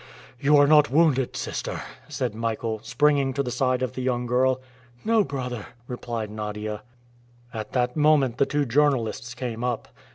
"You are not wounded, sister?" said Michael, springing to the side of the young girl. "No, brother," replied Nadia. At that moment the two journalists came up.